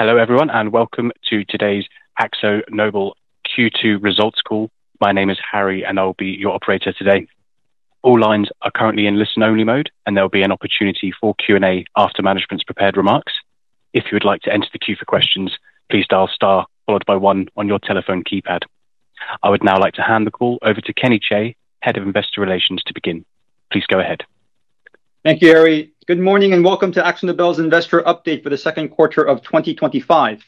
Hello everyone, and welcome to today's AkzoNobel Q2 results call. My name is Harry, and I'll be your operator today. All lines are currently in listen-only mode, and there'll be an opportunity for Q&A after management's prepared remarks. If you would like to enter the queue for questions, please dial star, followed by one, on your telephone keypad. I would now like to hand the call over to Kenny Chae, Head of Investor Relations, to begin. Please go ahead. Thank you, Harry. Good morning, and welcome to AkzoNobel's Investor Update for the second quarter of 2025.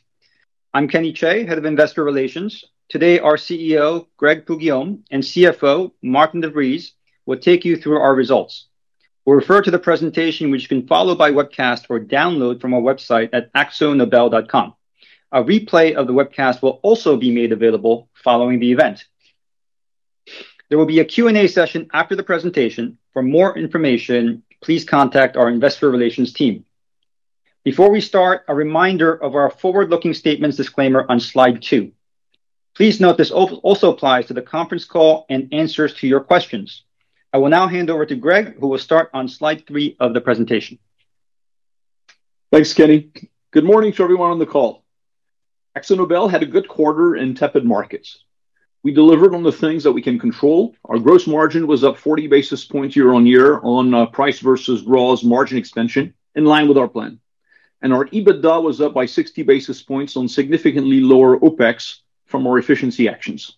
I'm Kenny Chae, Head of Investor Relations. Today, our CEO, Grég Poux-Guillaume, and CFO, Maarten de Vries, will take you through our results. We'll refer to the presentation, which you can follow by webcast or download from our website at akzonobel.com. A replay of the webcast will also be made available following the event. There will be a Q&A session after the presentation. For more information, please contact our Investor Relations team. Before we start, a reminder of our forward-looking statements disclaimer on slide two. Please note this also applies to the conference call and answers to your questions. I will now hand over to Grég, who will start on slide three of the presentation. Thanks, Kenny. Good morning to everyone on the call. AkzoNobel had a good quarter in tepid markets. We delivered on the things that we can control. Our gross margin was up 40 basis points year-on-year on price versus gross margin expansion, in line with our plan. Our EBITDA was up by 60 basis points on significantly lower OpEx from our efficiency actions.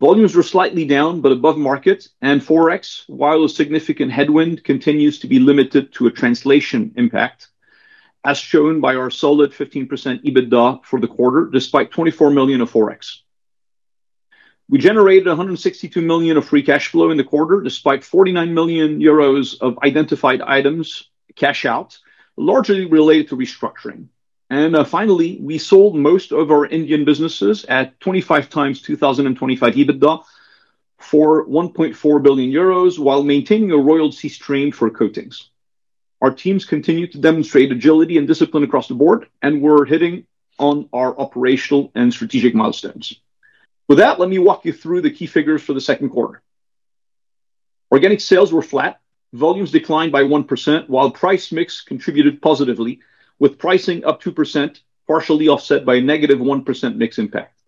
Volumes were slightly down but above market, and Forex, while a significant headwind, continues to be limited to a translation impact, as shown by our solid 15% EBITDA for the quarter, despite 24 million of Forex. We generated 162 million of free cash flow in the quarter, despite 49 million euros of identified items cash out, largely related to restructuring. Finally, we sold most of our Indian businesses at 25x 2025 EBITDA for 1.4 billion euros, while maintaining a royalty stream for coatings. Our teams continued to demonstrate agility and discipline across the board, and we're hitting on our operational and strategic milestones. With that, let me walk you through the key figures for the second quarter. Organic sales were flat, volumes declined by 1%, while price mix contributed positively, with pricing up 2%, partially offset by a -1% mix impact.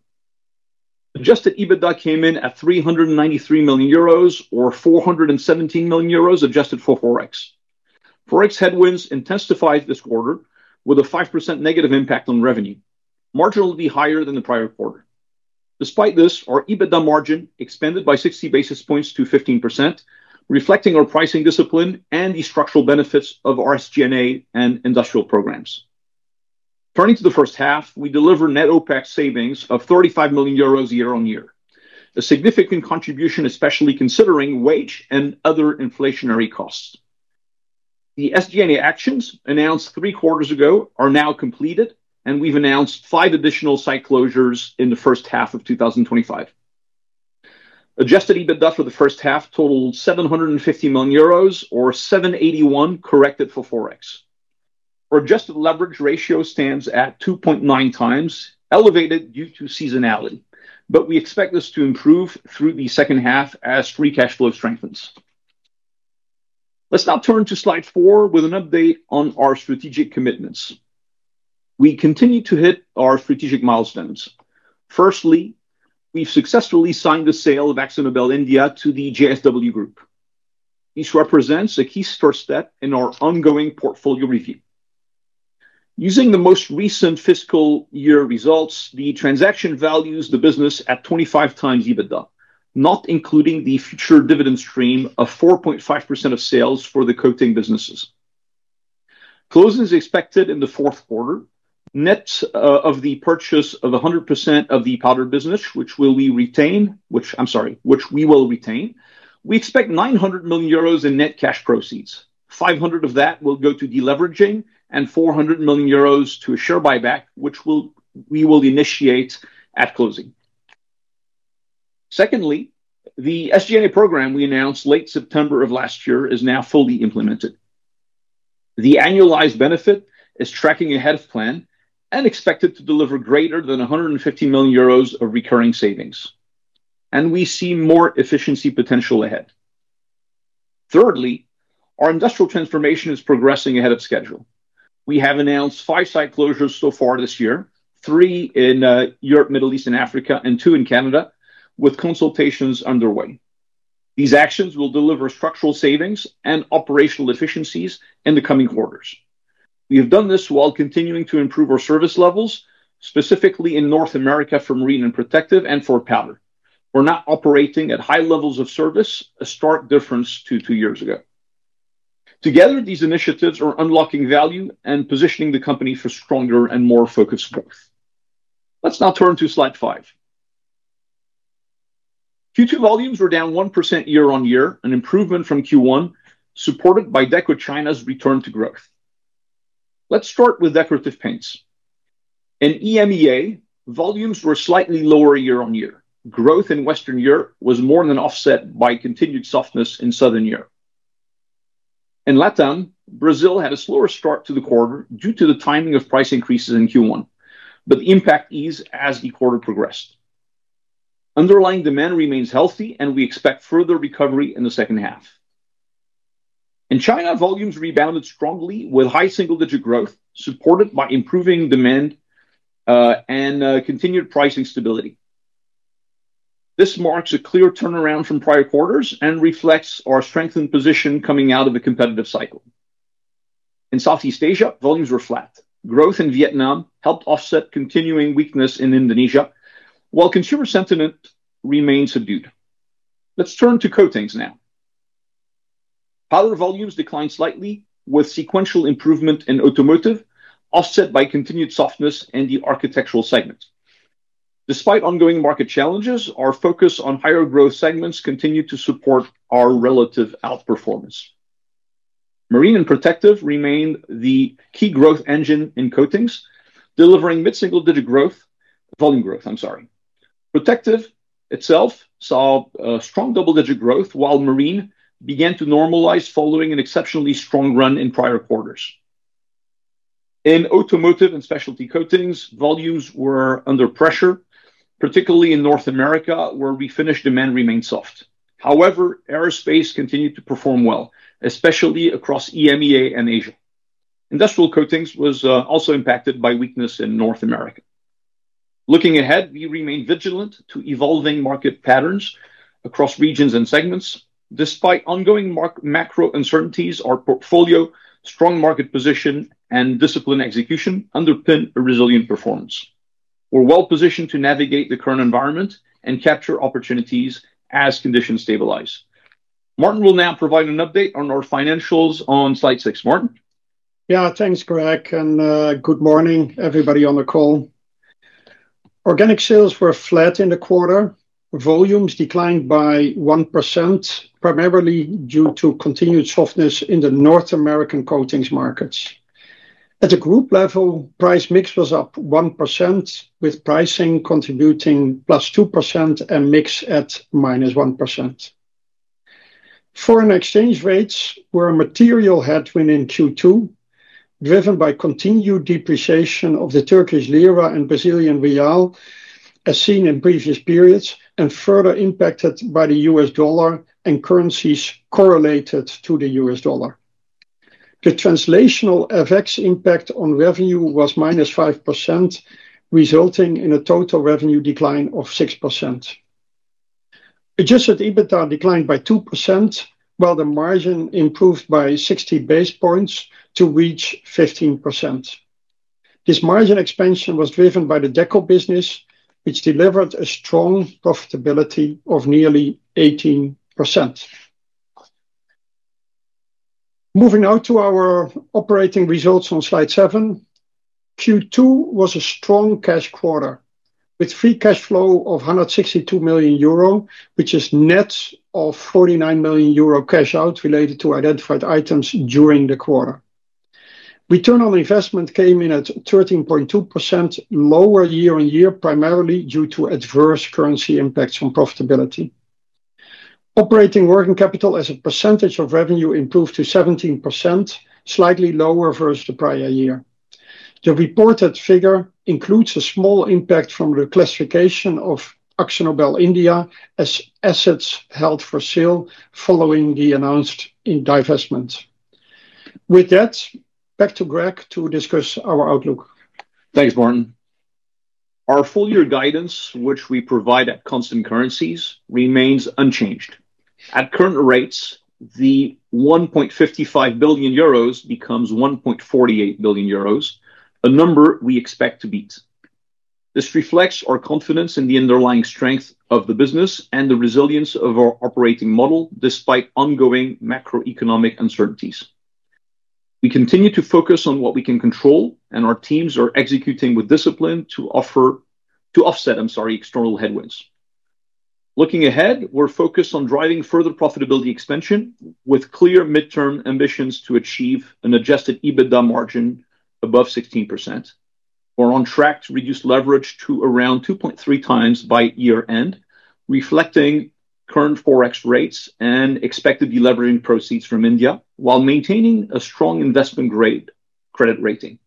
Adjusted EBITDA came in at 393 million euros, or 417 million euros adjusted for Forex. Forex headwinds intensified this quarter, with a 5% negative impact on revenue, marginally higher than the prior quarter. Despite this, our EBITDA margin expanded by 60 basis points to 15%, reflecting our pricing discipline and the structural benefits of SG&A and industrial programs. Turning to the first half, we delivered net OpEx savings of 35 million euros year-on-year, a significant contribution, especially considering wage and other inflationary costs. The SG&A actions announced three quarters ago are now completed, and we have announced five additional site closures in the first half of 2025. Adjusted EBITDA for the first half totaled 750 million euros, or 781 million corrected for Forex. Our adjusted leverage ratio stands at 2.9x, elevated due to seasonality, but we expect this to improve through the second half as free cash flow strengthens. Let's now turn to slide four with an update on our strategic commitments. We continue to hit our strategic milestones. Firstly, we have successfully signed the sale of AkzoNobel India to the JSW Group. This represents a key first step in our ongoing portfolio review. using the most recent fiscal year results, the transaction values the business at 25x EBITDA, not including the future dividend stream of 4.5% of sales for the coating businesses. Closing is expected in the fourth quarter. Net of the purchase of 100% of the powder business, which we will retain, we expect 900 million euros in net cash proceeds. 500 million of that will go to deleveraging and 400 million euros to a share buyback, which we will initiate at closing. Secondly, the SG&A program we announced late September of last year is now fully implemented. The annualized benefit is tracking ahead of plan and expected to deliver greater than 150 million euros of recurring savings, and we see more efficiency potential ahead. Thirdly, our industrial transformation is progressing ahead of schedule. We have announced five site closures so far this year: three in Europe, Middle East, and Africa, and two in Canada, with consultations underway. These actions will deliver structural savings and operational efficiencies in the coming quarters. We have done this while continuing to improve our service levels, specifically in North America for Marine and Protective and for Powder. We're now operating at high levels of service, a stark difference to two years ago. Together, these initiatives are unlocking value and positioning the company for stronger and more focused growth. Let's now turn to slide five. Q2 volumes were down 1% year-on-year, an improvement from Q1, supported by Deco China's return to growth. Let's start with decorative paints. In EMEA, volumes were slightly lower year-on-year. Growth in Western Europe was more than offset by continued softness in Southern Europe. In Latin, Brazil had a slower start to the quarter due to the timing of price increases in Q1, but the impact eased as the quarter progressed. Underlying demand remains healthy, and we expect further recovery in the second half. In China, volumes rebounded strongly, with high single-digit growth supported by improving demand and continued pricing stability. This marks a clear turnaround from prior quarters and reflects our strengthened position coming out of a competitive cycle. In Southeast Asia, volumes were flat. Growth in Vietnam helped offset continuing weakness in Indonesia, while consumer sentiment remained subdued. Let's turn to coatings now. Powder volumes declined slightly, with sequential improvement in automotive, offset by continued softness in the architectural segment. Despite ongoing market challenges, our focus on higher growth segments continued to support our relative outperformance. Marine and Protective remained the key growth engine in coatings, delivering mid-single-digit volume growth, I'm sorry. Protective itself saw strong double-digit growth, while Marine began to normalize following an exceptionally strong run in prior quarters. In automotive and specialty coatings, volumes were under pressure, particularly in North America, where we finished demand remained soft. However, aerospace continued to perform well, especially across EMEA and Asia. Industrial coatings was also impacted by weakness in North America. Looking ahead, we remain vigilant to evolving market patterns across regions and segments. Despite ongoing macro uncertainties, our portfolio, strong market position, and discipline execution underpin a resilient performance. We're well positioned to navigate the current environment and capture opportunities as conditions stabilize. Maarten will now provide an update on our financials on slide six. Maarten? Yeah, thanks, Grég, and good morning, everybody on the call. Organic sales were flat in the quarter. Volumes declined by 1%, primarily due to continued softness in the North American coatings markets. At the group level, price mix was up 1%, with pricing contributing +2% and mix at -1%. Foreign exchange rates were a material headwind in Q2, driven by continued depreciation of the Turkish lira and Brazilian real, as seen in previous periods, and further impacted by the U.S. dollar and currencies correlated to the U.S. dollar. The translational FX impact on revenue was -5%, resulting in a total revenue decline of 6%. Adjusted EBITDA declined by 2%, while the margin improved by 60 basis points to reach 15%. This margin expansion was driven by the Deco business, which delivered a strong profitability of nearly 18%. Moving out to our operating results on slide seven, Q2 was a strong cash quarter, with free cash flow of 162 million euro, which is net of 49 million euro cash out related to identified items during the quarter. Return on investment came in at 13.2%, lower year-on-year, primarily due to adverse currency impacts on profitability. Operating working capital as a percentage of revenue improved to 17%, slightly lower versus the prior year. The reported figure includes a small impact from the classification of AkzoNobel India as assets held for sale following the announced divestment. With that, back to Grég to discuss our outlook. Thanks, Maarten. Our full-year guidance, which we provide at constant currencies, remains unchanged. At current rates, the 1.55 billion euros becomes 1.48 billion euros, a number we expect to beat. This reflects our confidence in the underlying strength of the business and the resilience of our operating model despite ongoing macroeconomic uncertainties. We continue to focus on what we can control, and our teams are executing with discipline to offset, I'm sorry, external headwinds. Looking ahead, we're focused on driving further profitability expansion with clear midterm ambitions to achieve an adjusted EBITDA margin above 16%. We're on track to reduce leverage to around 2.3x by year-end, reflecting current Forex rates and expected deleveraging proceeds from India, while maintaining a strong investment-grade credit rating.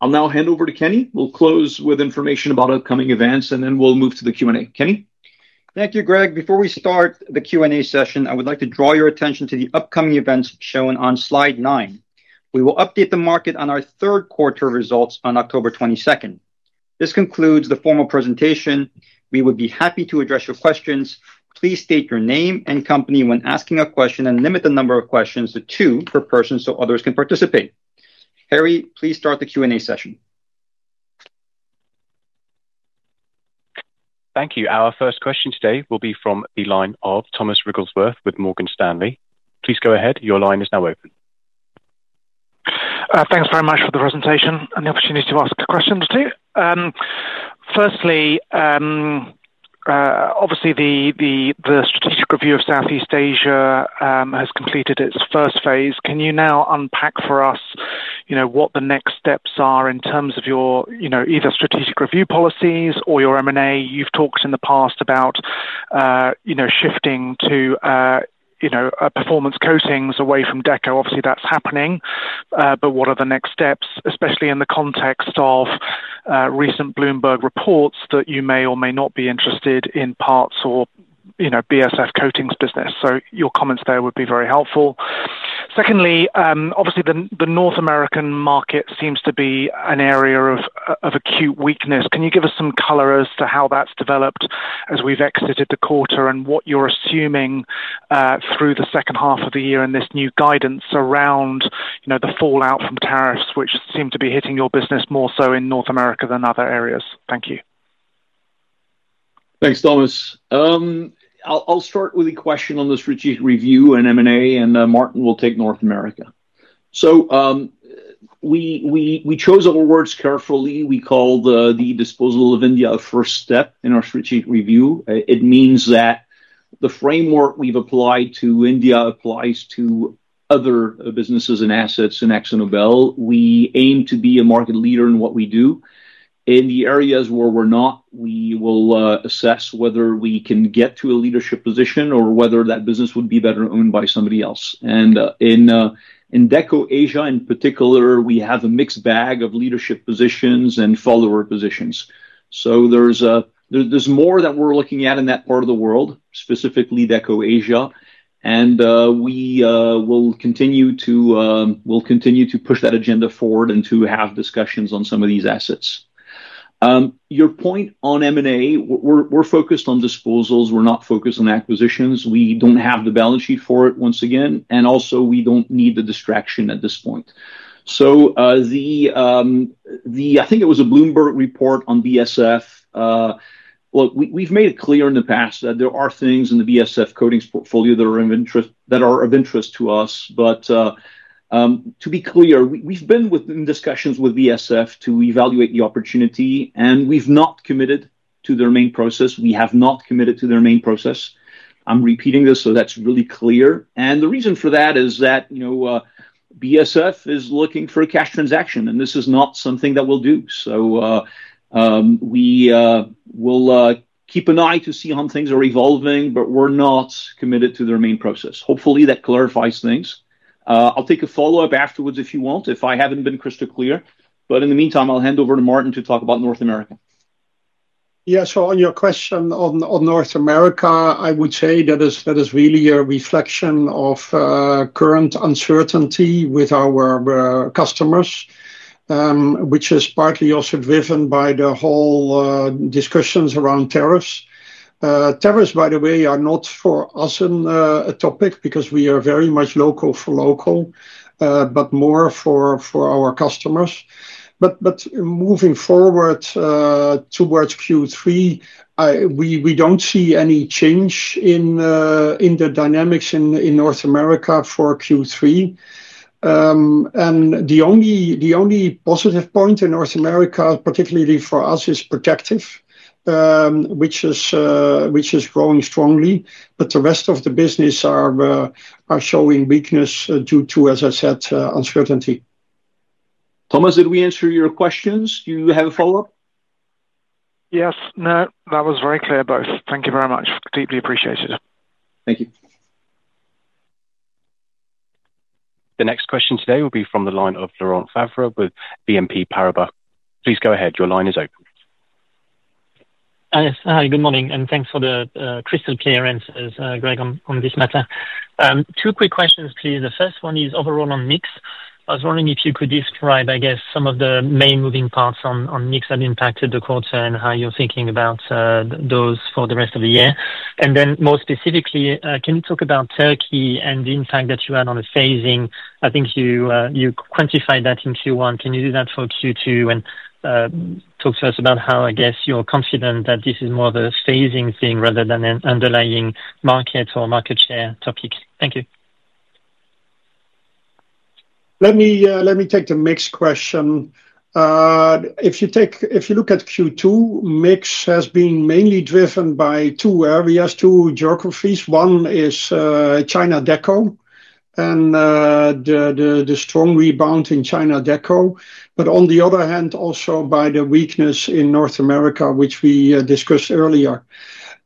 I'll now hand over to Kenny. We'll close with information about upcoming events, and then we'll move to the Q&A. Kenny? Thank you, Grég. Before we start the Q&A session, I would like to draw your attention to the upcoming events shown on slide nine. We will update the market on our third quarter results on October 22nd. This concludes the formal presentation. We would be happy to address your questions. Please state your name and company when asking a question, and limit the number of questions to two per person so others can participate. Harry, please start the Q&A session. Thank you. Our first question today will be from the line of Thomas Wrigglesworth with Morgan Stanley. Please go ahead. Your line is now open. Thanks very much for the presentation and the opportunity to ask questions too. Firstly, obviously, the strategic review of Southeast Asia has completed its first phase. Can you now unpack for us what the next steps are in terms of your either strategic review policies or your M&A? You've talked in the past about shifting to performance coatings away from Deco. Obviously, that's happening, but what are the next steps, especially in the context of recent Bloomberg reports that you may or may not be interested in parts or BASF coatings business? Your comments there would be very helpful. Secondly, obviously, the North American market seems to be an area of acute weakness. Can you give us some color as to how that's developed as we've exited the quarter and what you're assuming through the second half of the year and this new guidance around the fallout from tariffs, which seem to be hitting your business more so in North America than other areas? Thank you. Thanks, Thomas. I'll start with a question on the strategic review and M&A, and Maarten will take North America. We chose our words carefully. We called the disposal of India a first step in our strategic review. It means that the framework we've applied to India applies to other businesses and assets in AkzoNobel. We aim to be a market leader in what we do. In the areas where we're not, we will assess whether we can get to a leadership position or whether that business would be better owned by somebody else. In Deco Asia, in particular, we have a mixed bag of leadership positions and follower positions. There's more that we're looking at in that part of the world, specifically Deco Asia, and we will continue to push that agenda forward and to have discussions on some of these assets. Your point on M&A, we're focused on disposals. We're not focused on acquisitions. We don't have the balance sheet for it, once again, and also, we don't need the distraction at this point. I think it was a Bloomberg report on BASF. Look, we've made it clear in the past that there are things in the BASF coatings portfolio that are of interest to us, but to be clear, we've been in discussions with BASF to evaluate the opportunity, and we've not committed to their main process. We have not committed to their main process. I'm repeating this so that's really clear. The reason for that is that BASF is looking for a cash transaction, and this is not something that we'll do. We will keep an eye to see how things are evolving, but we're not committed to their main process. Hopefully, that clarifies things. I'll take a follow-up afterwards if you want, if I haven't been crystal clear, but in the meantime, I'll hand over to Maarten to talk about North America. Yeah, so on your question on North America, I would say that is really a reflection of current uncertainty with our customers, which is partly also driven by the whole discussions around tariffs. Tariffs, by the way, are not for us a topic because we are very much local for local, but more for our customers. Moving forward towards Q3, we do not see any change in the dynamics in North America for Q3. The only positive point in North America, particularly for us, is protective, which is growing strongly, but the rest of the business are showing weakness due to, as I said, uncertainty. Thomas, did we answer your questions? Do you have a follow-up? Yes, no, that was very clear both. Thank you very much. Deeply appreciated. Thank you. The next question today will be from the line of Laurent Favre with BNP Paribas. Please go ahead. Your line is open. Hi, good morning, and thanks for the crystal clear answers, Grég, on this matter. Two quick questions, please. The first one is overall on mix. I was wondering if you could describe, I guess, some of the main moving parts on mix that impacted the quarter and how you're thinking about those for the rest of the year. And then more specifically, can you talk about Türkiye and the impact that you had on the phasing? I think you quantified that in Q1. Can you do that for Q2 and talk to us about how, I guess, you're confident that this is more of a phasing thing rather than an underlying market or market share topic? Thank you. Let me take the mix question. If you look at Q2, mix has been mainly driven by two areas, two geographies. One is China-Deco and the strong rebound in China-Deco, but on the other hand, also by the weakness in North America, which we discussed earlier.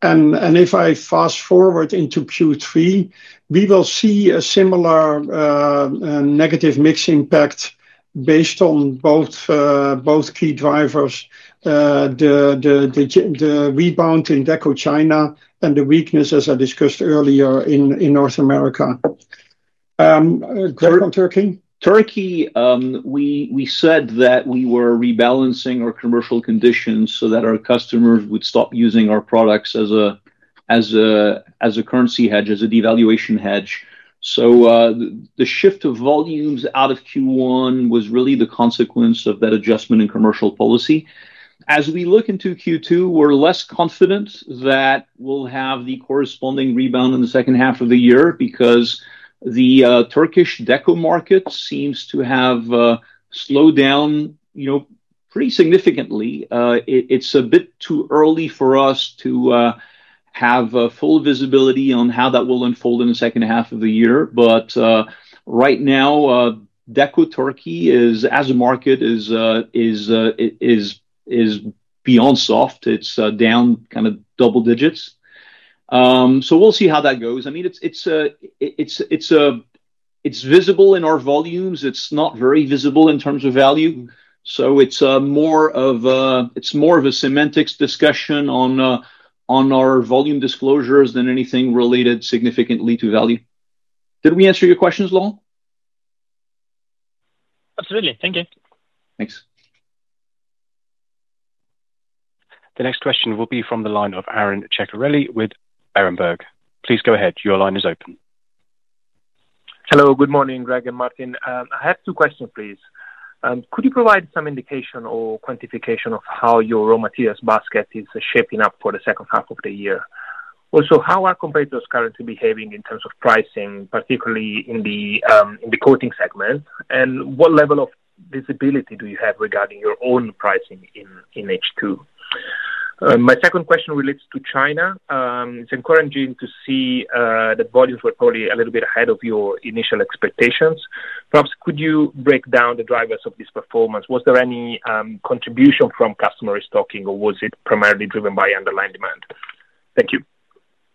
If I fast forward into Q3, we will see a similar negative mix impact based on both key drivers. The rebound in Deco China and the weakness, as I discussed earlier, in North America. Grég on Türkiye? Türkiye, we said that we were rebalancing our commercial conditions so that our customers would stop using our products as a currency hedge, as a devaluation hedge. The shift of volumes out of Q1 was really the consequence of that adjustment in commercial policy. As we look into Q2, we're less confident that we'll have the corresponding rebound in the second half of the year because the Turkish Deco market seems to have slowed down pretty significantly. It's a bit too early for us to have full visibility on how that will unfold in the second half of the year, but right now Deco Türkiye as a market is beyond soft. It's down kind of double digits. We'll see how that goes. I mean, it's visible in our volumes. It's not very visible in terms of value. It's more of a semantics discussion on our volume disclosures than anything related significantly to value. Did we answer your questions, Laurent? Absolutely. Thank you. Thanks. The next question will be from the line of Aaron Ceccarelli with Berenberg. Please go ahead. Your line is open. Hello, good morning, Grég and Maarten. I have two questions, please. Could you provide some indication or quantification of how your raw materials basket is shaping up for the second half of the year? Also, how are competitors currently behaving in terms of pricing, particularly in the Coatings segment? What level of visibility do you have regarding your own pricing in H2? My second question relates to China. It's encouraging to see that volumes were probably a little bit ahead of your initial expectations. Perhaps, could you break down the drivers of this performance? Was there any contribution from customers stocking, or was it primarily driven by underlying demand? Thank you.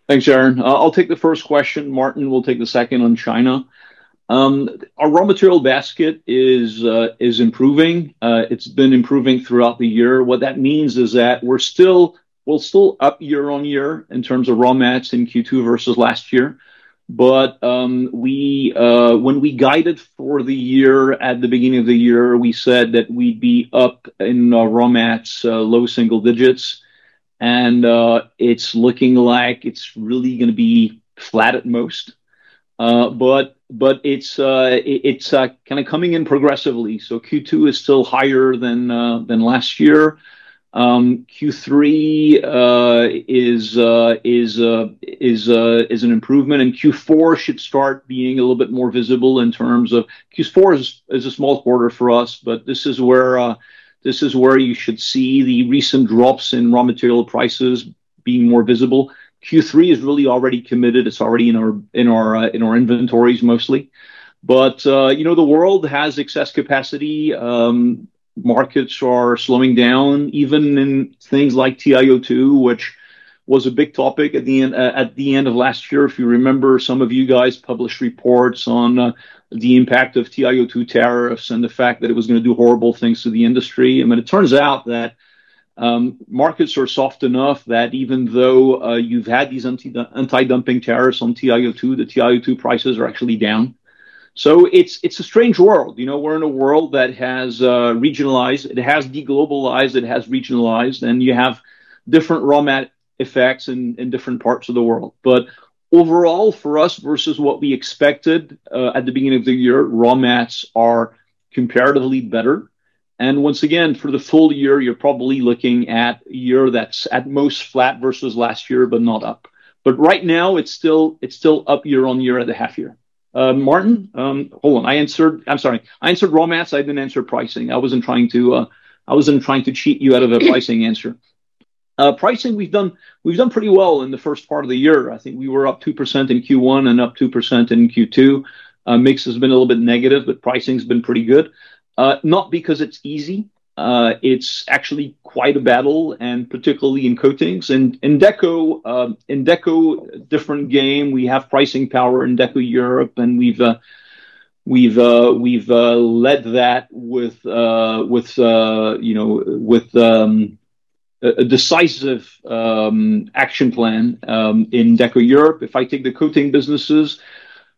Thanks, Aaron. I'll take the first question. Maarten will take the second on China. Our raw material basket is improving. It's been improving throughout the year. What that means is that we're still up year-on-year in terms of raw mats in Q2 versus last year. When we guided for the year at the beginning of the year, we said that we'd be up in raw mats, low-single digits, and it's looking like it's really going to be flat at most. It's kind of coming in progressively. Q2 is still higher than last year. Q3 is an improvement, and Q4 should start being a little bit more visible in terms of Q4 is a small quarter for us, but this is where you should see the recent drops in raw material prices being more visible. Q3 is really already committed. It's already in our inventories mostly. The world has excess capacity. Markets are slowing down, even in things like TiO2, which was a big topic at the end of last year. If you remember, some of you guys published reports on the impact of TiO2 tariffs and the fact that it was going to do horrible things to the industry. It turns out that markets are soft enough that even though you've had these anti-dumping tariffs on TiO2, the TiO2 prices are actually down. It's a strange world. We're in a world that has regionalized, it has deglobalized, it has regionalized, and you have different raw mat effects in different parts of the world. Overall, for us, versus what we expected at the beginning of the year, raw mats are comparatively better. Once again, for the full year, you're probably looking at a year that's at most flat versus last year, but not up. Right now, it's still up year-on-year at the half-year. Maarten, hold on. I answered raw mats. I didn't answer pricing. I wasn't trying to cheat you out of a pricing answer. Pricing, we've done pretty well in the first part of the year. I think we were up 2% in Q1 and up 2% in Q2. Mix has been a little bit negative, but pricing has been pretty good. Not because it's easy. It's actually quite a battle, and particularly in coatings. In Deco. Different game. We have pricing power in Deco Europe, and we've led that with a decisive action plan. In Deco Europe. If I take the coating businesses.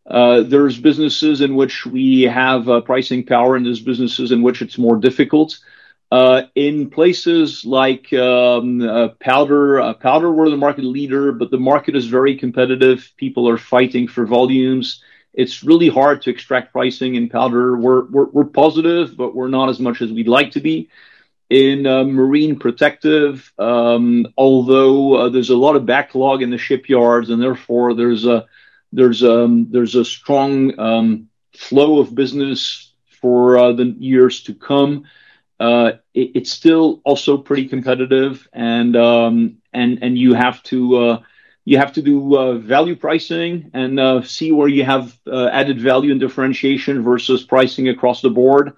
There are businesses in which we have pricing power, and there are businesses in which it's more difficult. In places like powder, we're the market leader, but the market is very competitive. People are fighting for volumes. It's really hard to extract pricing in powder. We're positive, but we're not as much as we'd like to be. In Marine Protective. Although there's a lot of backlog in the shipyards, and therefore there's a strong flow of business for the years to come. It's still also pretty competitive, and you have to do value pricing and see where you have added value and differentiation versus pricing across the board.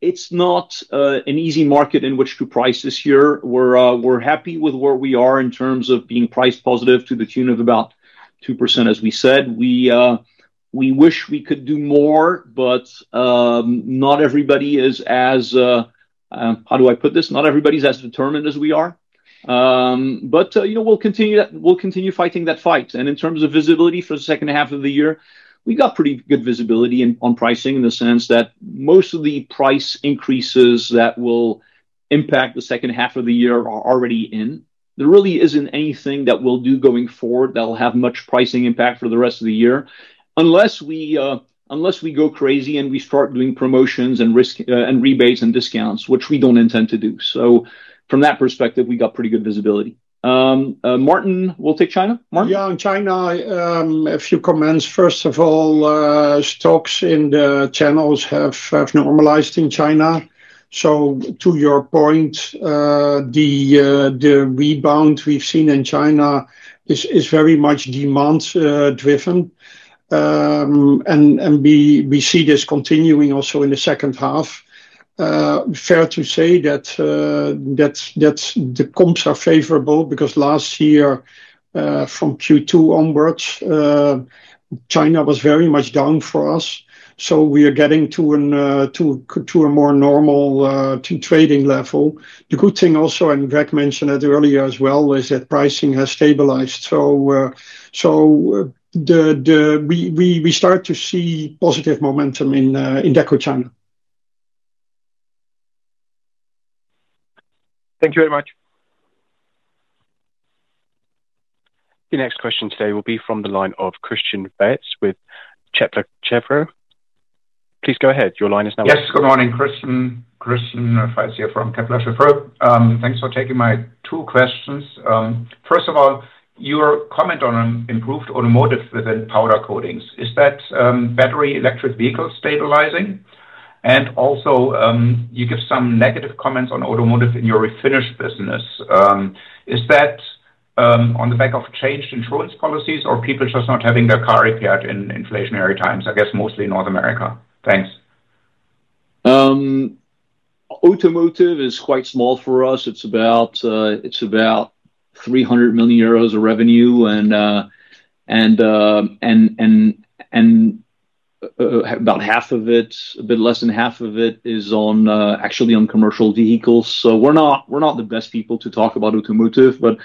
It's not an easy market in which to price this year. We're happy with where we are in terms of being priced positive to the tune of about 2%, as we said. We wish we could do more, but not everybody is as—how do I put this—not everybody's as determined as we are. We'll continue fighting that fight. In terms of visibility for the second half of the year, we got pretty good visibility on pricing in the sense that most of the price increases that will impact the second half of the year are already in. There really isn't anything that we'll do going forward that will have much pricing impact for the rest of the year unless we go crazy and we start doing promotions and rebates and discounts, which we don't intend to do. From that perspective, we got pretty good visibility. Maarten, we'll take China. Maarten? Yeah, on China, a few comments. First of all, stocks in the channels have normalized in China. To your point, the rebound we've seen in China is very much demand-driven, and we see this continuing also in the second half. Fair to say that the comps are favorable because last year, from Q2 onwards, China was very much down for us. We are getting to a more normal trading level. The good thing also, and Grég mentioned it earlier as well, is that pricing has stabilized. We start to see positive momentum in Deco China. Thank you very much. The next question today will be from the line of Christian Faitz with Kepler Cheuvreux. Please go ahead. Your line is now open. Yes, good morning, Christian. If I see it from Kepler Cheuvreux. Thanks for taking my two questions. First of all, your comment on improved automotive within powder coatings, is that battery electric vehicles stabilizing? Also, you give some negative comments on automotive in your refinish business. Is that on the back of changed insurance policies or people just not having their car repaired in inflationary times, I guess, mostly in North America? Thanks. Automotive is quite small for us. It is about 300 million euros of revenue, and about half of it, a bit less than half of it, is actually on commercial vehicles. We are not the best people to talk about automotive, but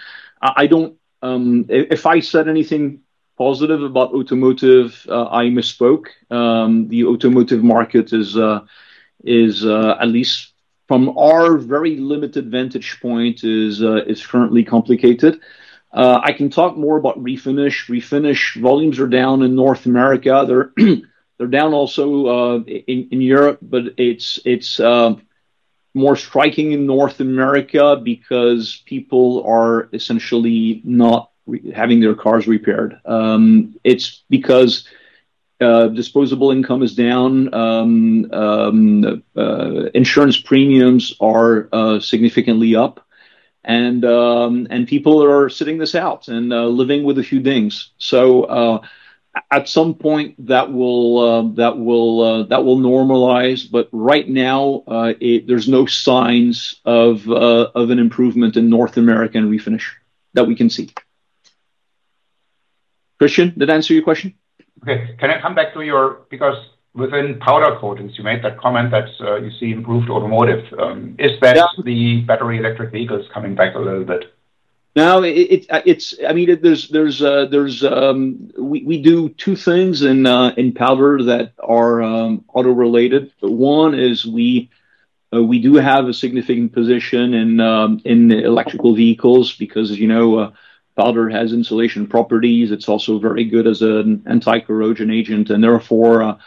if I said anything positive about automotive, I misspoke. The automotive market is, at least from our very limited vantage point, currently complicated. I can talk more about refinish. Refinish volumes are down in North America. They are down also in Europe, but it is more striking in North America because people are essentially not having their cars repaired. It is because disposable income is down. Insurance premiums are significantly up. People are sitting this out and living with a few things. At some point, that will normalize. Right now, there are no signs of an improvement in North American refinish that we can see. Christian, did that answer your question? Okay. Can I come back to your because within powder coatings, you made that comment that you see improved automotive. Is that the battery electric vehicles coming back a little bit? No, I mean, we do two things in powder that are auto-related. One is, we do have a significant position in electrical vehicles because, as you know, powder has insulation properties. It is also very good as an anti-corrosion agent. Therefore,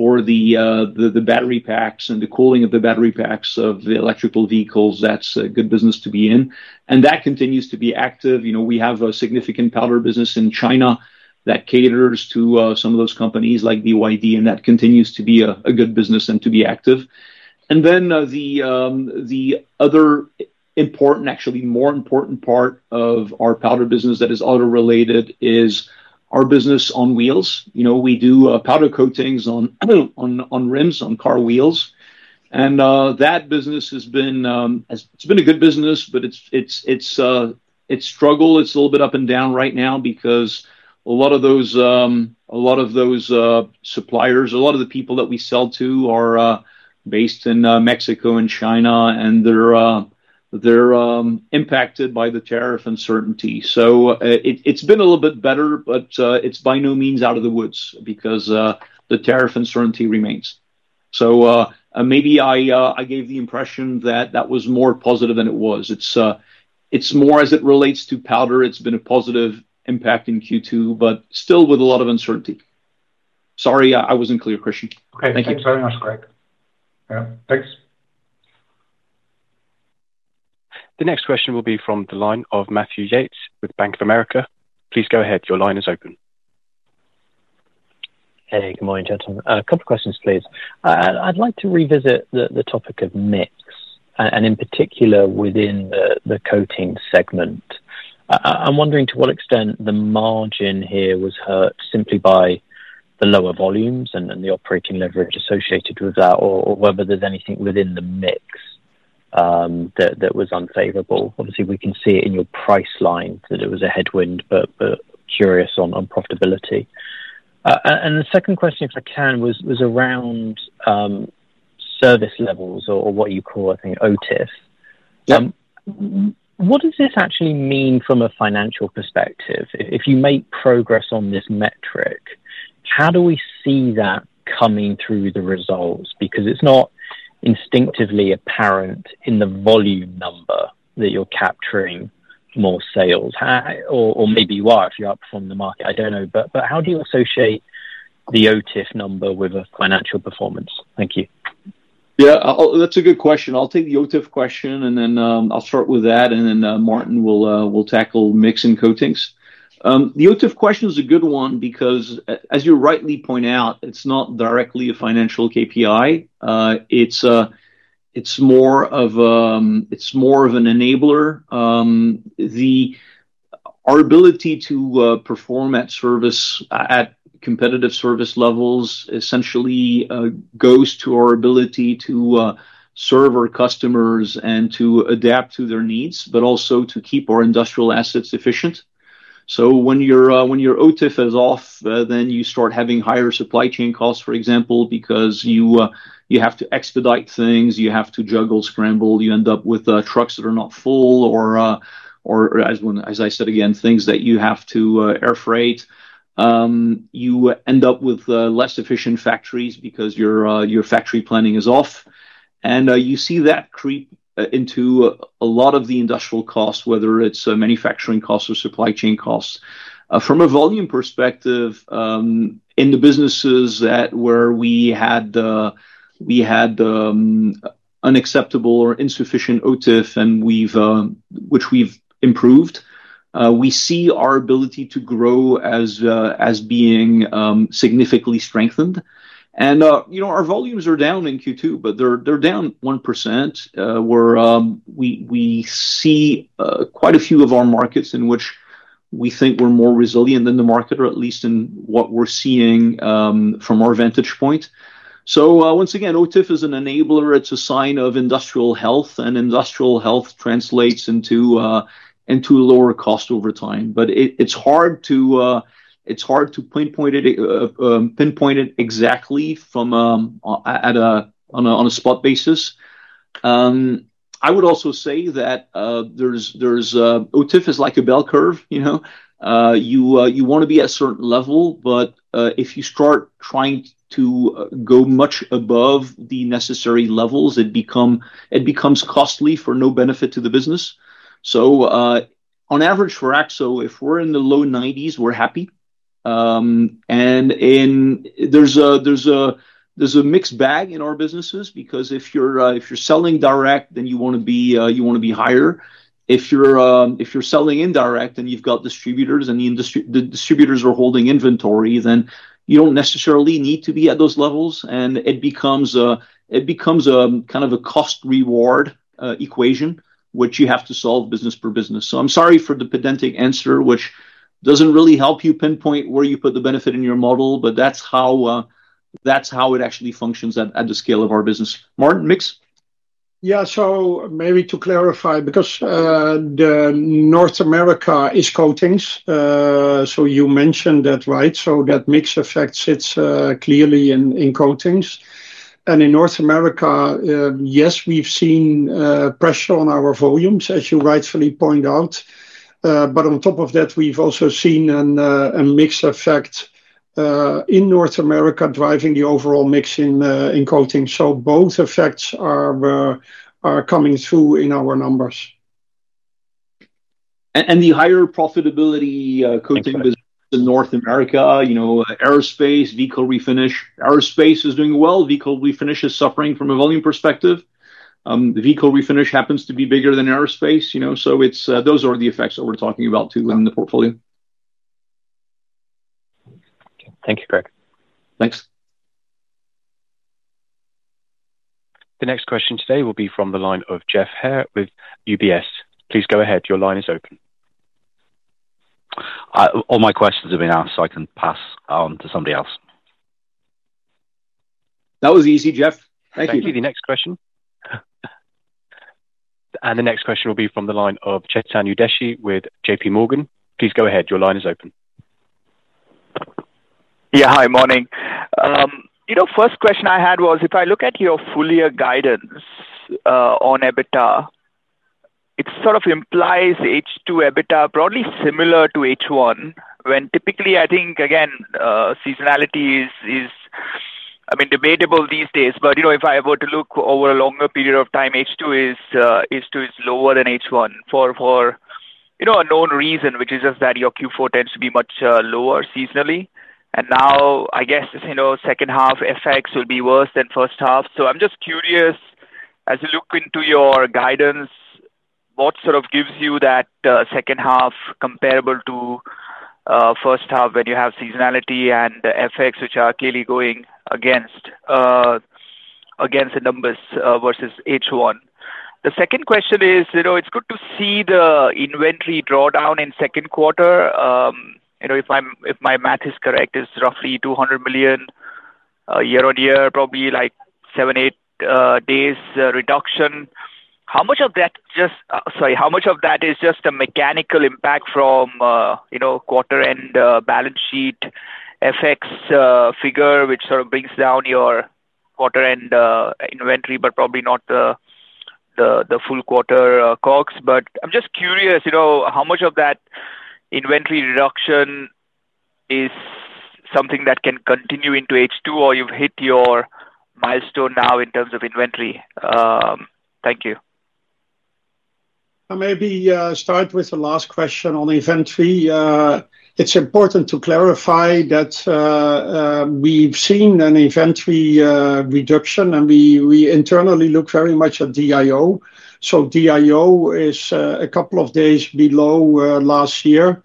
for the battery packs and the cooling of the battery packs of the electrical vehicles, that is a good business to be in, and that continues to be active. We have a significant powder business in China that caters to some of those companies like BYD, and that continues to be a good business and to be active. The other important, actually more important, part of our powder business that is auto-related is our business on wheels. We do powder coatings on rims, on car wheels, and that business has been a good business, but it is a struggle. It is a little bit up and down right now because a lot of those suppliers, a lot of the people that we sell to, are based in Mexico and China, and they are impacted by the tariff uncertainty. It has been a little bit better, but it is by no means out of the woods because the tariff uncertainty remains. Maybe I gave the impression that that was more positive than it was. It is more as it relates to powder. It has been a positive impact in Q2, but still with a lot of uncertainty. Sorry, I was not clear, Christian. Okay. Thank you very much, Grég. Yeah, thanks. The next question will be from the line of Matthew Yates with Bank of America. Please go ahead. Your line is open. Hey, good morning, gentlemen. A couple of questions, please. I'd like to revisit the topic of mix and, in particular, within the coating segment. I'm wondering to what extent the margin here was hurt simply by the lower volumes and the operating leverage associated with that, or whether there's anything within the mix that was unfavorable. Obviously, we can see it in your price line that it was a headwind, but curious on profitability. The second question, if I can, was around service levels or what you call, I think, OTIF. What does this actually mean from a financial perspective? If you make progress on this metric, how do we see that coming through the results? Because it's not instinctively apparent in the volume number that you're capturing more sales, or maybe you are if you're out from the market. I don't know. How do you associate the OTIF number with a financial performance? Thank you. Yeah. That's a good question. I'll take the OTIF question, and then I'll start with that, and then Maarten will tackle mix and coatings. The OTIF question is a good one because, as you rightly point out, it's not directly a financial KPI. It's more of an enabler. Our ability to perform at competitive service levels essentially goes to our ability to serve our customers and to adapt to their needs, but also to keep our industrial assets efficient. When your OTIF is off, then you start having higher supply chain costs, for example, because you have to expedite things. You have to juggle, scramble. You end up with trucks that are not full, or, as I said again, things that you have to air freight. You end up with less efficient factories because your factory planning is off. You see that creep into a lot of the industrial costs, whether it's manufacturing costs or supply chain costs. From a volume perspective, in the businesses where we had unacceptable or insufficient OTIF, which we've improved, we see our ability to grow as being significantly strengthened. Our volumes are down in Q2, but they're down 1%. We see quite a few of our markets in which we think we're more resilient than the market, or at least in what we're seeing from our vantage point. Once again, OTIF is an enabler. It's a sign of industrial health, and industrial health translates into lower cost over time. It's hard to pinpoint it exactly on a spot basis. I would also say that OTIF is like a bell curve. You want to be at a certain level, but if you start trying to go much above the necessary levels, it becomes costly for no benefit to the business. On average for Akzo, if we're in the low 90s, we're happy. There's a mixed bag in our businesses because if you're selling direct, then you want to be higher. If you're selling indirect and you've got distributors and the distributors are holding inventory, then you don't necessarily need to be at those levels. It becomes kind of a cost-reward equation, which you have to solve business per business. I'm sorry for the pedantic answer, which doesn't really help you pinpoint where you put the benefit in your model, but that's how it actually functions at the scale of our business. Maarten, mix? Yeah. Maybe to clarify, because North America is coatings, you mentioned that, right? That mix affects it clearly in coatings. In North America, yes, we've seen pressure on our volumes, as you rightfully point out. On top of that, we've also seen a mixed effect in North America driving the overall mix in coatings. Both effects are coming through in our numbers. The higher profitability coating business in North America, aerospace, vehicle refinish, aerospace is doing well. Vehicle refinish is suffering from a volume perspective. Vehicle refinish happens to be bigger than aerospace. Those are the effects that we're talking about too in the portfolio. Thank you, Grég. Thanks. The next question today will be from the line of Geoff Haire with UBS. Please go ahead. Your line is open. All my questions have been asked, so I can pass on to somebody else. That was easy, Geoff. Thank you. Thank you. The next question. The next question will be from the line of Chetan Udeshi with JPMorgan. Please go ahead. Your line is open. Yeah. Hi, morning. First question I had was, if I look at your full-year guidance. On EBITDA. It sort of implies H2 EBITDA broadly similar to H1, when typically, I think, again, seasonality is. I mean, debatable these days. If I were to look over a longer period of time, H2 is lower than H1 for a known reason, which is just that your Q4 tends to be much lower seasonally. I guess second half effects will be worse than first half. I am just curious, as you look into your guidance, what sort of gives you that second half comparable to first half when you have seasonality and effects, which are clearly going against the numbers versus H1? The second question is, it's good to see the inventory drawdown in second quarter. If my math is correct, it's roughly 200 million year-on-year, probably like seven, eight days reduction. How much of that—sorry—how much of that is just a mechanical impact from quarter-end balance sheet effects figure, which sort of brings down your quarter-end inventory, but probably not the full quarter COGS? I am just curious, how much of that inventory reduction is something that can continue into H2, or you've hit your milestone now in terms of inventory? Thank you. Maybe start with the last question on inventory. It's important to clarify that. We've seen an inventory reduction, and we internally look very much at DIO. DIO is a couple of days below last year,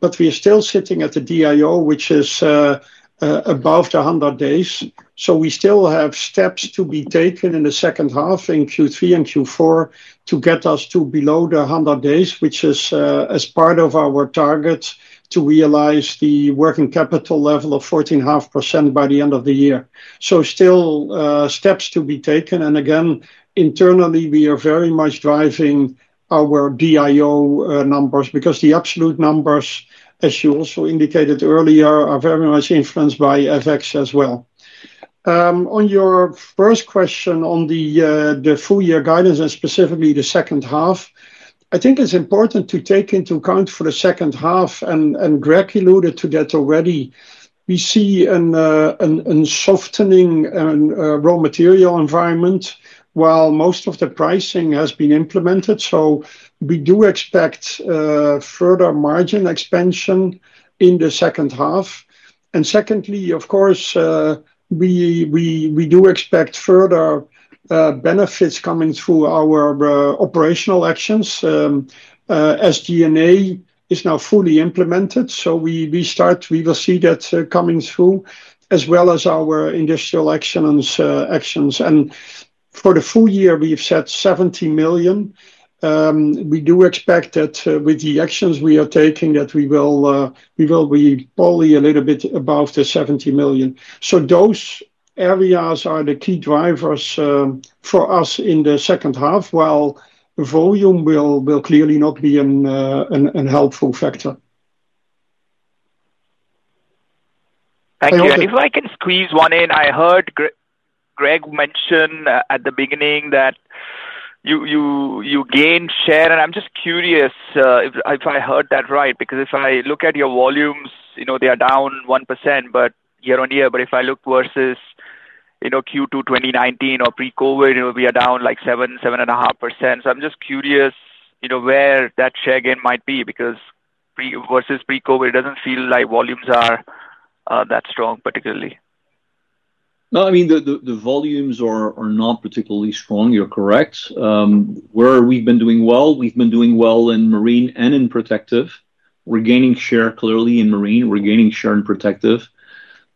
but we are still sitting at the DIO, which is above the 100 days. We still have steps to be taken in the second half, in Q3 and Q4, to get us to below the 100 days, which is part of our target to realize the working capital level of 14.5% by the end of the year. Still steps to be taken. Again, internally, we are very much driving our DIO numbers because the absolute numbers, as you also indicated earlier, are very much influenced by FX as well. On your first question on the full-year guidance and specifically the second half, I think it's important to take into account for the second half, and Grég alluded to that already, we see a softening raw material environment while most of the pricing has been implemented. We do expect further margin expansion in the second half. Secondly, of course, we do expect further benefits coming through our operational actions. SG&A is now fully implemented. We will see that coming through as well as our industrial actions. For the full year, we've set 70 million. We do expect that with the actions we are taking, we will be probably a little bit above the 70 million. Those areas are the key drivers for us in the second half, while volume will clearly not be a helpful factor. Thank you. If I can squeeze one in, I heard Grég mention at the beginning that you gained share. I am just curious if I heard that right, because if I look at your volumes, they are down 1% year-on-year. If I look versus Q2 2019 or pre-COVID, we are down like 7%-7.5%. I am just curious where that share gain might be, because versus pre-COVID, it does not feel like volumes are that strong, particularly. No, I mean, the volumes are not particularly strong. You're correct. Where we've been doing well, we've been doing well in Marine and in Protective. We're gaining share clearly in Marine. We're gaining share in Protective.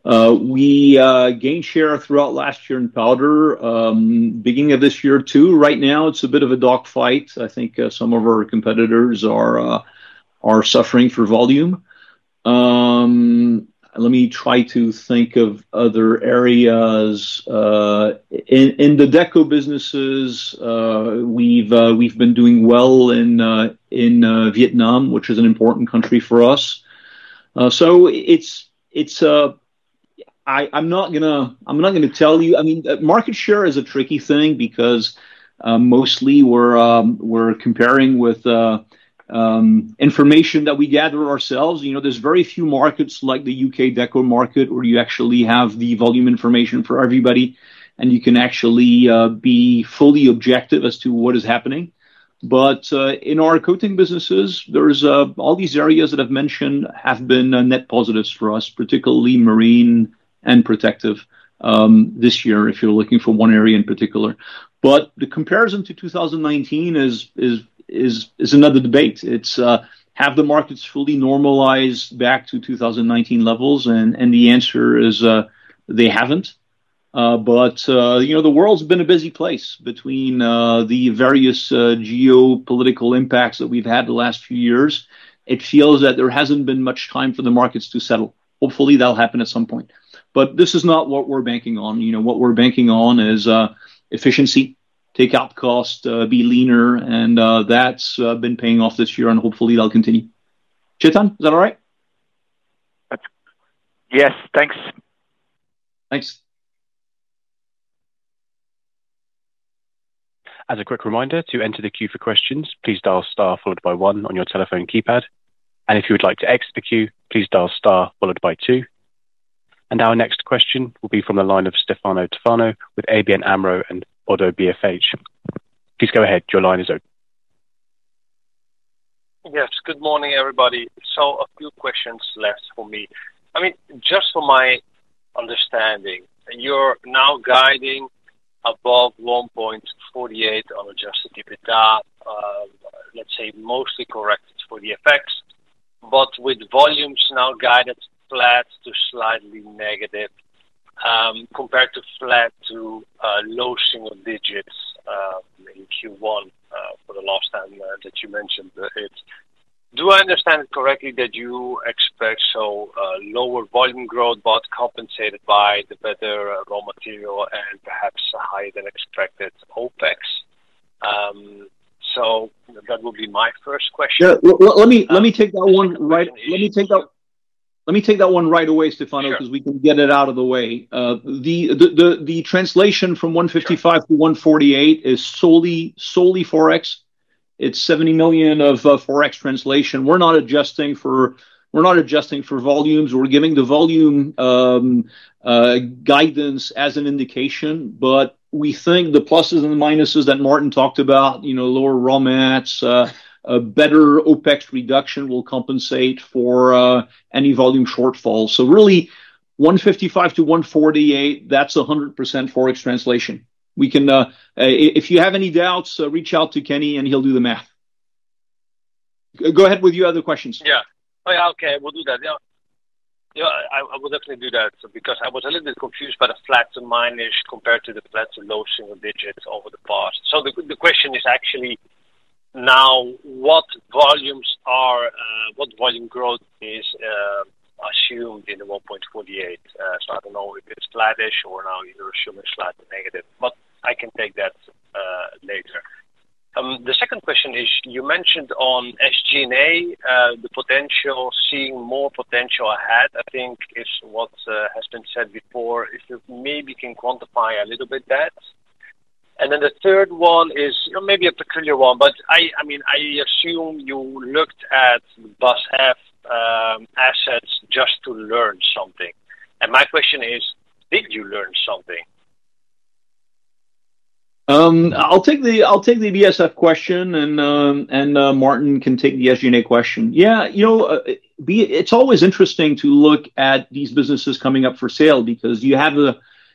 We gained share throughout last year in Powder. Beginning of this year too. Right now, it's a bit of a dogfight. I think some of our competitors are suffering for volume. Let me try to think of other areas. In the Deco businesses. We've been doing well in Vietnam, which is an important country for us. So. I'm not going to tell you—I mean, market share is a tricky thing because mostly we're comparing with information that we gather ourselves. There's very few markets like the U.K. Deco market where you actually have the volume information for everybody, and you can actually be fully objective as to what is happening. But in our coating businesses, all these areas that I've mentioned have been net positives for us, particularly Marine and Protective. This year, if you're looking for one area in particular. But the comparison to 2019 is another debate. Have the markets fully normalized back to 2019 levels? And the answer is they haven't. The world's been a busy place between the various geopolitical impacts that we've had the last few years. It feels that there hasn't been much time for the markets to settle. Hopefully, that'll happen at some point. This is not what we're banking on. What we're banking on is efficiency, take out cost, be leaner, and that's been paying off this year, and hopefully, that'll continue. Chetan, is that all right? Yes. Thanks. Thanks. As a quick reminder, to enter the queue for questions, please dial star followed by one on your telephone keypad. If you would like to exit the queue, please dial star followed by two. Our next question will be from the line of Stefano Toffano with ABN AMRO - ODDO BHF. Please go ahead. Your line is open. Yes. Good morning, everybody. A few questions left for me. I mean, just for my understanding, you're now guiding above 1.48 billion on adjusted EBITDA. Let's say mostly corrected for the FX, but with volumes now guided flat to slightly negative, compared to flat to low single-digits in Q1 for the last time that you mentioned it. Do I understand it correctly that you expect lower volume growth, but compensated by the better raw material and perhaps higher than expected OpEx? That will be my first question. Yeah. Let me take that one right—let me take that—let me take that one right away, Stefano, because we can get it out of the way. The translation from 155 million to 148 million is solely Forex. It's 70 million of Forex translation. We're not adjusting for— We're not adjusting for volumes. We're giving the volume guidance as an indication, but we think the pluses and the minuses that Maarten talked about, lower raw mats, better OpEx reduction will compensate for any volume shortfalls. So really, 155 million to 148 million, that's 100% Forex translation. If you have any doubts, reach out to Kenny, and he'll do the math. Go ahead with your other questions. Yeah. Okay. We'll do that. Yeah. I will definitely do that because I was a little bit confused by the flat to minus compared to the flat to low single-digits over the past. The question is actually, now, what volumes are—what volume growth is assumed in the 1.48 million? I don't know if it's flattish or now you're assuming slightly negative, but I can take that later. The second question is, you mentioned on SG&A, the potential, seeing more potential ahead, I think, is what has been said before. If you maybe can quantify a little bit that. The third one is maybe a peculiar one, but I mean, I assume you looked at BASF assets just to learn something. My question is, did you learn something? I'll take the BASF question, and Maarten can take the SG&A question. Yeah. It's always interesting to look at these businesses coming up for sale because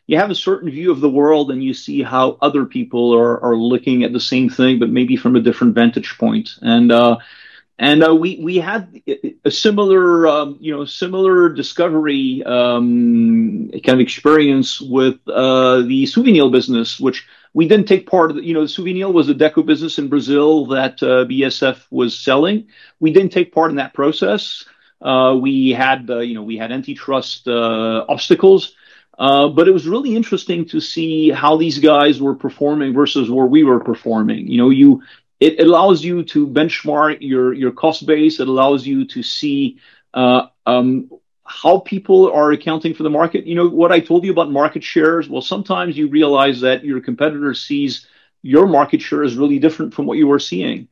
you have a certain view of the world, and you see how other people are looking at the same thing, but maybe from a different vantage point. We had a similar discovery kind of experience with the Suvinil business, which we did not take part of. Suvinil was a deco business in Brazil that BASF was selling. We did not take part in that process. We had antitrust obstacles. It was really interesting to see how these guys were performing versus where we were performing. It allows you to benchmark your cost base. It allows you to see how people are accounting for the market. What I told you about market shares, well, sometimes you realize that your competitor sees your market share as really different from what you were seeing.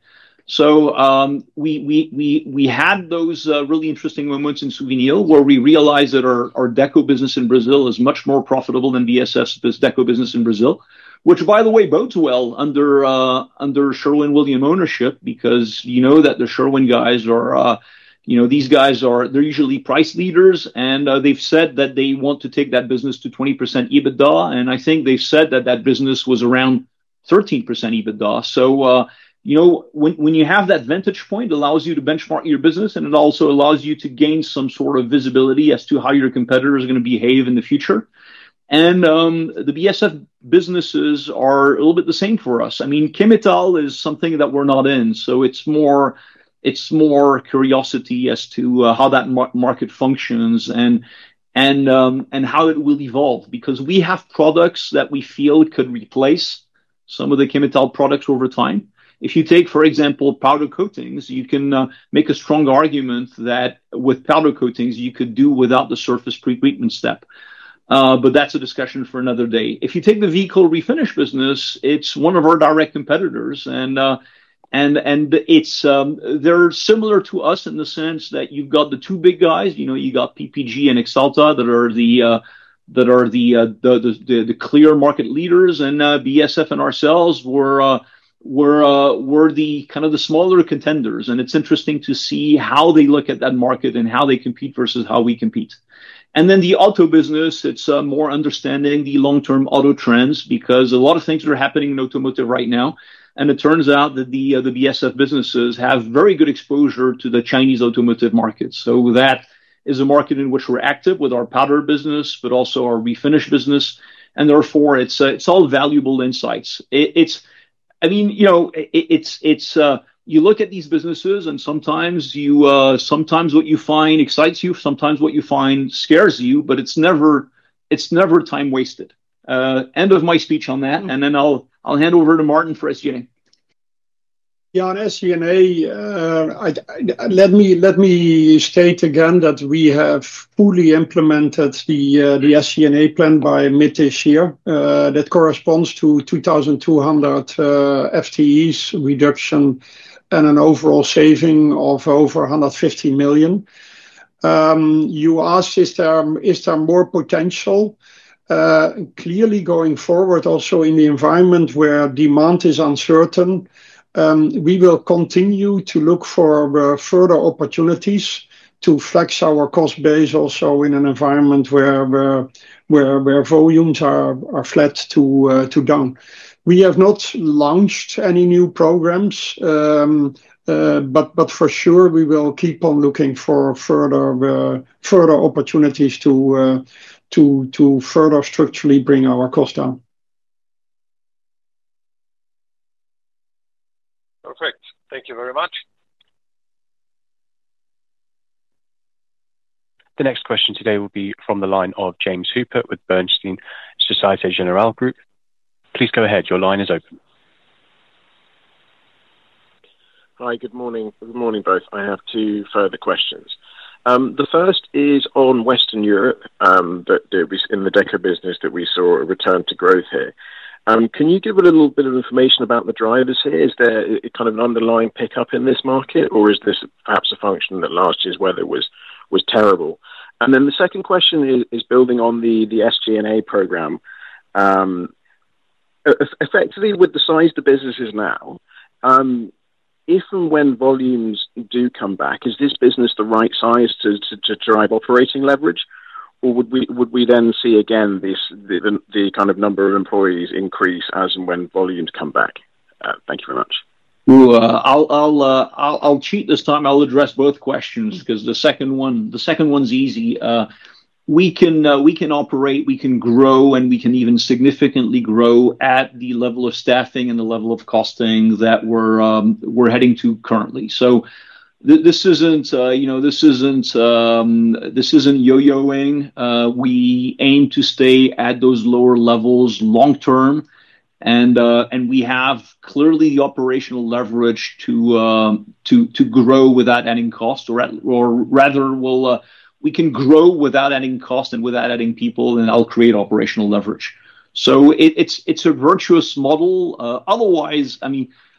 We had those really interesting moments in Suvinil where we realized that our deco business in Brazil is much more profitable than BASF's deco business in Brazil, which, by the way, bodes well under Sherwin-Williams ownership because you know that the Sherwin guys are—these guys are—they're usuually price leaders, and they've said that they want to take that business to 20% EBITDA. I think they've said that that business was around 13% EBITDA. When you have that vantage point, it allows you to benchmark your business, and it also allows you to gain some sort of visibility as to how your competitors are going to behave in the future. The BASF businesses are a little bit the same for us. I mean, Chemetall is something that we're not in. It's more curiosity as to how that market functions and how it will evolve because we have products that we feel could replace some of the Chemetall products over time. If you take, for example, powder coatings, you can make a strong argument that with powder coatings, you could do without the surface pre-treatment step. That's a discussion for another day. If you take the vehicle refinish business, it's one of our direct competitors. They're similar to us in the sense that you've got the two big guys. You got PPG and Axalta that are the clear market leaders, and BASF and ourselves were the kind of the smaller contenders. It's interesting to see how they look at that market and how they compete versus how we compete. The auto business, it's more understanding the long-term auto trends because a lot of things are happening in automotive right now. It turns out that the BASF businesses have very good exposure to the Chinese automotive market. That is a market in which we're active with our powder business, but also our refinish business. Therefore, it's all valuable insights. I mean. You look at these businesses, and sometimes what you find excites you, sometimes what you find scares you, but it's never time wasted. End of my speech on that. I will hand over to Maarten for SG&A. Yeah. On SG&A. Let me state again that we have fully implemented the SG&A plan by mid this year. That corresponds to 2,200 FTEs reduction and an overall saving of over 150 million. You asked, is there more potential? Clearly, going forward, also in the environment where demand is uncertain, we will continue to look for further opportunities to flex our cost base also in an environment where volumes are flat to down. We have not launched any new programs. For sure, we will keep on looking for further opportunities to further structurally bring our cost down. Perfect. Thank you very much. The next question today will be from the line of James Hooper with Bernstein Société Générale Group. Please go ahead. Your line is open. Hi. Good morning. Good morning, both. I have two further questions. The first is on Western Europe. In the deco business that we saw a return to growth here. Can you give a little bit of information about the drivers here? Is there kind of an underlying pickup in this market, or is this perhaps a function that last year's weather was terrible? The second question is building on the SG&A program. Effectively, with the size the business is now. If and when volumes do come back, is this business the right size to drive operating leverage, or would we then see again the kind of number of employees increase as and when volumes come back? Thank you very much. I'll cheat this time. I'll address both questions because the second one's easy. We can operate, we can grow, and we can even significantly grow at the level of staffing and the level of costing that we're heading to currently. This isn't yo-yoing. We aim to stay at those lower levels long-term, and we have clearly the operational leverage to grow without adding cost. Or rather, we can grow without adding cost and without adding people, and I'll create operational leverage. It's a virtuous model.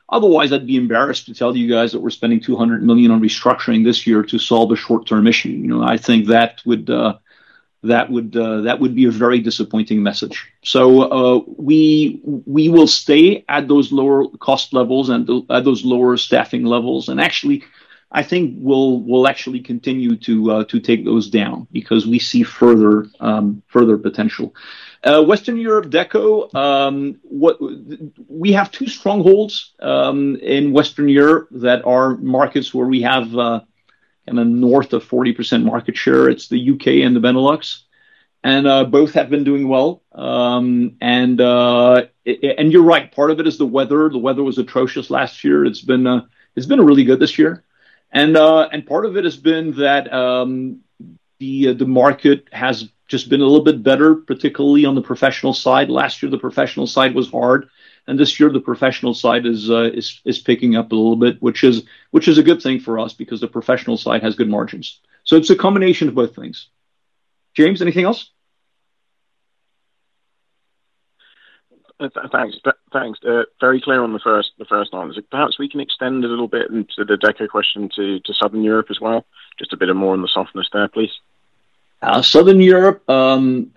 Otherwise, I'd be embarrassed to tell you guys that we're spending 200 million on restructuring this year to solve a short-term issue. I think that would be a very disappointing message. We will stay at those lower cost levels and at those lower staffing levels. Actually, I think we'll continue to take those down because we see further potential. Western Europe Deco. We have two strongholds in Western Europe that are markets where we have kind of north of 40% market share. It's the U.K. and the Benelux. Both have been doing well. You're right. Part of it is the weather. The weather was atrocious last year. It's been really good this year. Part of it has been that the market has just been a little bit better, particularly on the professional side. Last year, the professional side was hard. This year, the professional side is picking up a little bit, which is a good thing for us because the professional side has good margins. It's a combination of both things. James, anything else? Thanks. Very clear on the first one. Perhaps we can extend a little bit into the deco question to Southern Europe as well. Just a bit more on the softness there, please. Southern Europe. We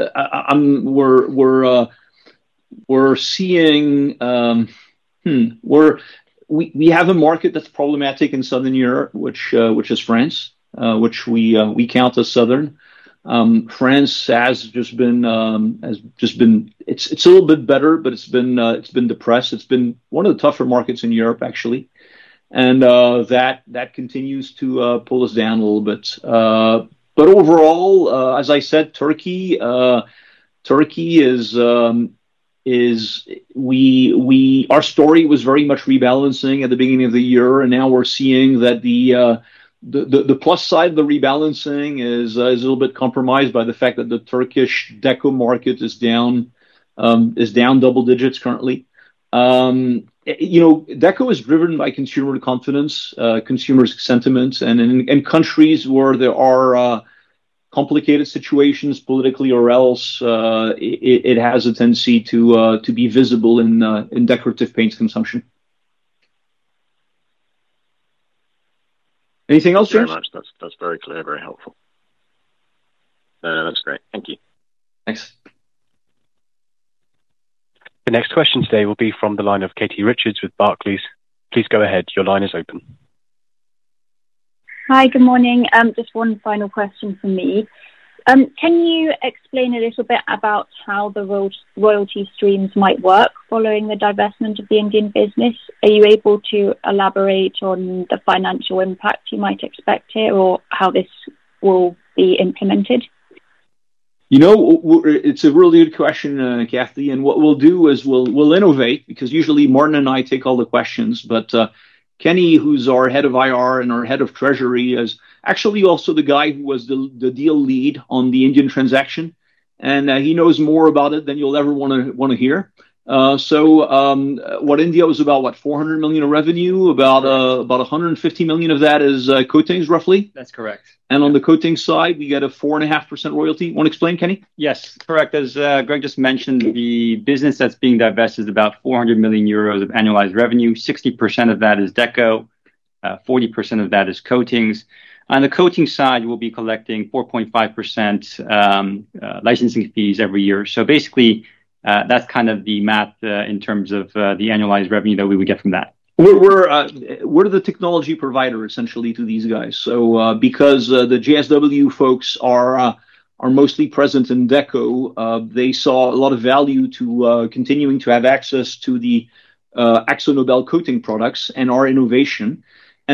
have a market that's problematic in Southern Europe, which is France, which we count as southern. France has just been, it's a little bit better, but it's been depressed. It's been one of the tougher markets in Europe, actually. That continues to pull us down a little bit. Overall, as I said, Türkiye. Our story was very much rebalancing at the beginning of the year. Now we're seeing that the plus side of the rebalancing is a little bit compromised by the fact that the Turkish deco market is down double-digits currently. Deco is driven by consumer confidence, consumer sentiments, and in countries where there are complicated situations politically or else, it has a tendency to be visible in decorative paints consumption. Anything else, James? Thank you very much. That's very clear, very helpful. That's great. Thank you. Thanks. The next question today will be from the line of Katie Richards with Barclays. Please go ahead. Your line is open. Hi. Good morning. Just one final question for me. Can you explain a little bit about how the royalty streams might work following the divestment of the Indian business? Are you able to elaborate on the financial impact you might expect here or how this will be implemented? It's a really good question, Katie. What we'll do is we'll innovate because usually, Maarten and I take all the questions. Kenny, who's our Head of IR and our Head of Treasury, is actually also the guy who was the deal lead on the Indian transaction. He knows more about it than you'll ever want to hear. What India was about, what, 400 million in revenue? About 150 million of that is coatings, roughly? That's correct. On the coatings side, we get a 4.5% royalty. Want to explain, Kenny? Yes. Correct. As Grég just mentioned, the business that's being divested is about 400 million euros of annualized revenue. 60% of that is deco. 40% of that is coatings. On the coating side, we'll be collecting 4.5% licensing fees every year. Basically, that's kind of the math in terms of the annualized revenue that we would get from that. We're the technology provider, essentially, to these guys. Because the JSW folks are mostly present in deco, they saw a lot of value to continuing to have access to the AkzoNobel coating products and our innovation.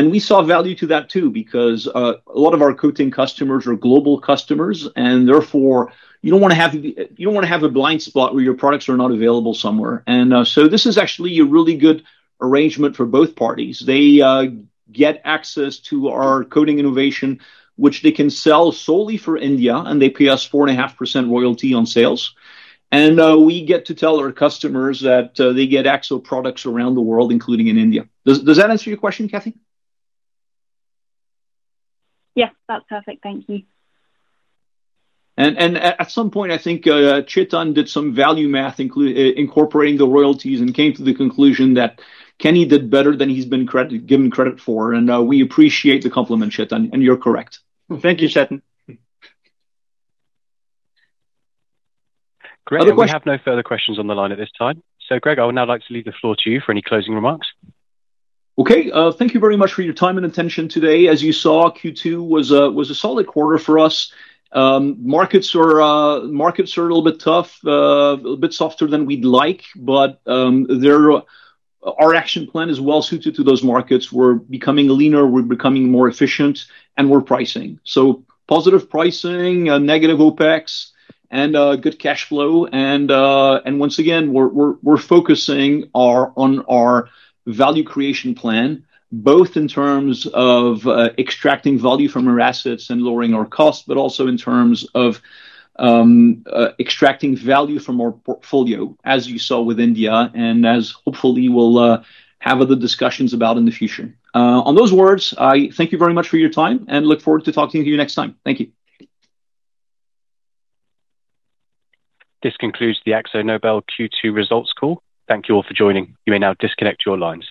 We saw value to that too because a lot of our coating customers are global customers. Therefore, you do not want to have a blind spot where your products are not available somewhere. This is actually a really good arrangement for both parties. They get access to our coating innovation, which they can sell solely for India, and they pay us 4.5% royalty on sales. We get to tell our customers that they get Akzo products around the world, including in India. Does that answer your question, Katie? Yes. That's perfect. Thank you. At some point, I think Chetan did some value math incorporating the royalties and came to the conclusion that Kenny did better than he's been given credit for. We appreciate the compliment, Chetan. You're correct. Thank you, Chetan. Grég, we have no further questions on the line at this time. Grég, I would now like to leave the floor to you for any closing remarks. Okay. Thank you very much for your time and attention today. As you saw, Q2 was a solid quarter for us. Markets are a little bit tough, a little bit softer than we'd like, but our action plan is well suited to those markets. We're becoming leaner, we're becoming more efficient, and we're pricing. Positive pricing, negative OpEx, and good cash flow. Once again, we're focusing on our value creation plan, both in terms of extracting value from our assets and lowering our costs, but also in terms of extracting value from our portfolio, as you saw with India and as hopefully we'll have other discussions about in the future. On those words, I thank you very much for your time and look forward to talking to you next time. Thank you. This concludes the AkzoNobel Q2 results call. Thank you all for joining. You may now disconnect your lines.